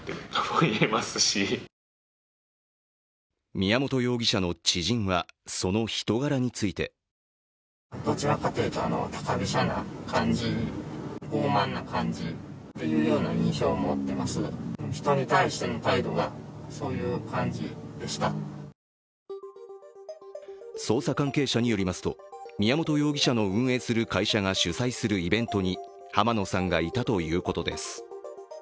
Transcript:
宮本容疑者の知人は、その人柄について捜査関係者によりますと、宮本容疑者が運営する会社が主催するイベントに濱野さんがいたということです。